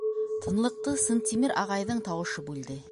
Тынлыҡты Сынтимер ағайҙың тауышы бүлде.